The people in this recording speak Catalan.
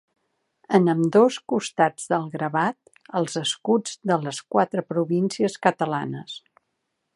En ambdós costats del gravat els escuts de les quatre províncies catalanes.